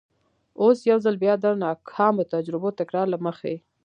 اوس یو ځل بیا د ناکامو تجربو تکرار له مخې.